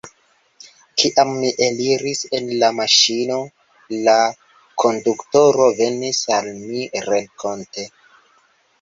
Kiam mi eliris el la maŝino, la konduktoro venis al mi renkonte.